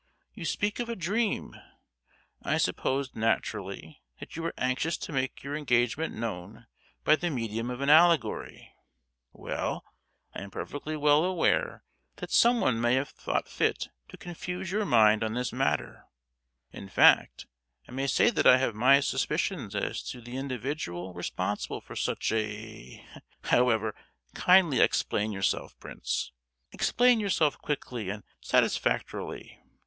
You speak of a dream. I supposed, naturally, that you were anxious to make your engagement known by the medium of an allegory. Well, I am perfectly well aware that someone may have thought fit to confuse your mind on this matter; in fact, I may say that I have my suspicions as to the individual responsible for such a——however, kindly explain yourself, Prince; explain yourself quickly and satisfactorily.